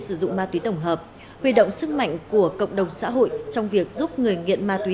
sử dụng ma túy tổng hợp huy động sức mạnh của cộng đồng xã hội trong việc giúp người nghiện ma túy